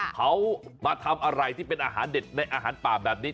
เขามาทำอะไรที่เป็นอาหารเด็ดในอาหารป่าแบบนี้